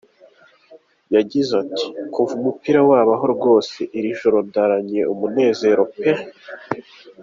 Yagize ati “Kuva umupira wabaho rwose, iri joro ndaranye umunezero pe !